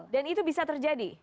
dan itu bisa terjadi